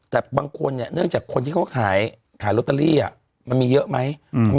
แต่บางคนเนี่ยเนื่องจากคนที่เขาขายลอตเตอรี่มันมีเยอะไหม